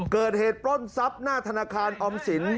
เกิดเหตุปล้นทรัพย์หน้าทนคารอำษิน